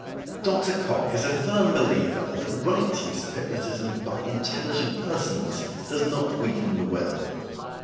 Dr. Cocke is a firm believer that the right use of hypnotism by intelligent persons does not weaken the will.